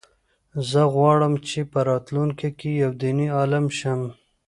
زه غواړم چې په راتلونکي کې یو دیني عالم شم.